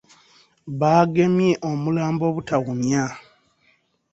Baagemye omulambo obutawunya.